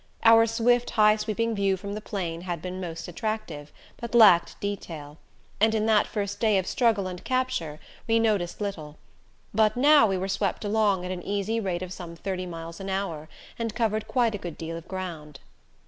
Our swift high sweeping view from the 'plane had been most attractive, but lacked detail; and in that first day of struggle and capture, we noticed little. But now we were swept along at an easy rate of some thirty miles an hour and covered quite a good deal of ground.